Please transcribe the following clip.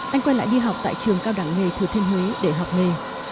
anh quay lại đi học tại trường cao đẳng nghề thừa thiên huế để học nghề